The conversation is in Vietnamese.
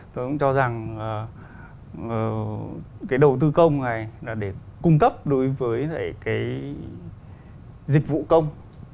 tôi cũng cho rằng cái đầu tư công này là để cung cấp đối với cái dịch vụ công